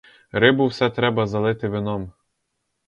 Рибу все треба залити вином.